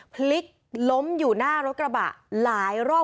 พลิกล้มอยู่หน้ารถกระบะหลายรอบ